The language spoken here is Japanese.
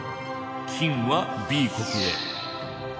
金はＢ国へ。